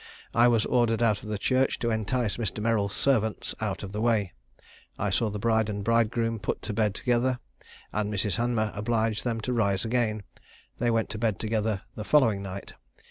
I was ordered out of the church to entice Mr. Merrill's servants out of the way. I saw the bride and bridegroom put to bed together, and Mrs. Hanmer obliged them to rise again; they went to bed together the following night.